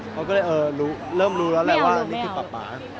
เขาก็เลยเริ่มรู้แล้วแหละว่านี่คือป่า